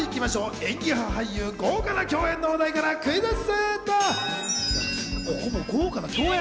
演技派俳優、豪華な共演の話題からクイズッス。